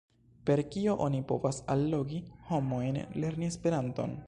Per kio oni povas allogi homojn lerni Esperanton?